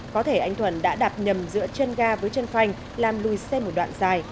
có thể anh thuận đã đạp nhầm giữa chân ga với chân phanh làm lùi xe một đoạn dài